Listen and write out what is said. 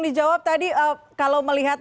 dijawab tadi kalau melihat